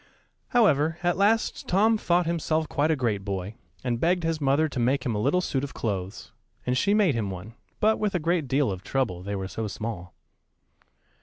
However, at last Tom thought himself quite a great boy, and begged his mother to make him a little suit of clothes, and she made him one; but with a great deal of trouble, they were so small.